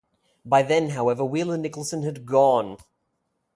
By then, however, Wheeler-Nicholson had gone.